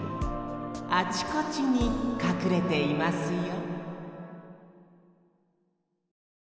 あちこちにかくれていますよ